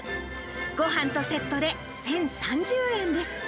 ごはんとセットで１０３０円です。